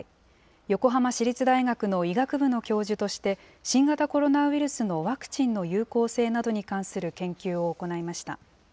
横浜市立大学の医学部の教授として、新型コロナウイルスのワクチンの有効性などに関する研究を行いました。